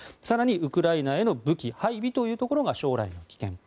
更にウクライナへの武器配備というところが将来の危険。